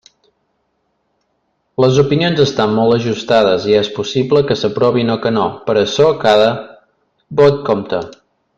Les opinions estan molt ajustades i és possible que s'aprovin o que no, per açò, cada vot compta.